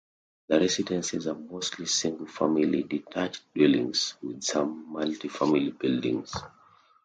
The residences are mostly single family detached dwellings, with some multi-family buildings.